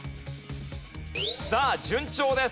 さあ順調です。